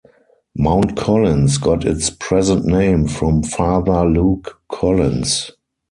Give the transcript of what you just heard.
Mountcollins got its present name from Father Luke Collins.